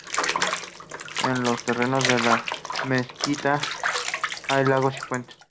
En los terrenos de la mezquita hay lagos y fuentes.